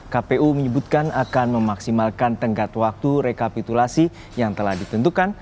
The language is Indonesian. kpu menyebutkan akan memaksimalkan tenggat waktu rekapitulasi yang telah ditentukan